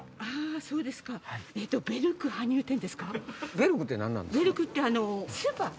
ベルクって何なんですか？